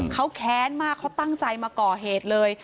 เขาแค้นมากเขาตั้งใจมาก่อเหตุเลย